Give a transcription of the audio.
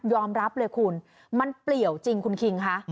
รับเลยคุณมันเปลี่ยวจริงคุณคิงค่ะ